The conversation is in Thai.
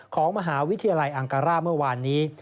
ของมหาวิทยาลัยอังการ่าเมื่อวานนี้